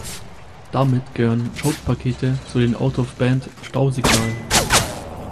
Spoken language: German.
Damit gehören Choke-Pakete zu den Out of band-Stausignalen.